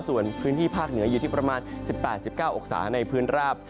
ส่วนพื้นที่ภาคเหนืออยู่ที่ประมาณ๑๘๑๙องศาในพื้นราบ